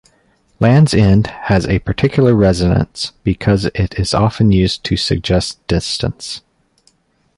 Land's End has a particular resonance because it is often used to suggest distance.